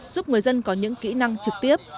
giúp người dân có những kỹ năng trực tiếp